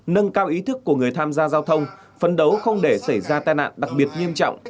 nâng cao ý thức của người tham gia giao thông phấn đấu không để xảy ra tai nạn đặc biệt nghiêm trọng